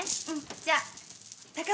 じゃあ。